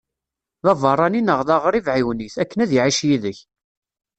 D abeṛṛani neɣ d aɣrib ɛiwen-it, akken ad iɛic yid-k.